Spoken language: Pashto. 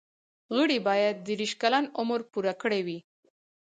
غړي باید دیرش کلن عمر پوره کړی وي.